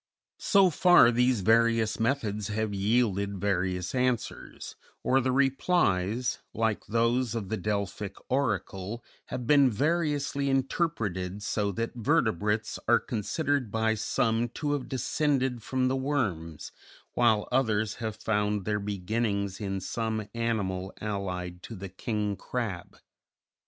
So far these various methods have yielded various answers, or the replies, like those of the Delphic Oracle, have been variously interpreted so that vertebrates are considered by some to have descended from the worms, while others have found their beginnings in some animal allied to the King Crab.